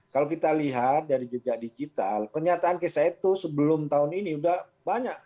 kalau kita lihat dari jejak digital pernyataan kisah itu sebelum tahun ini sudah banyak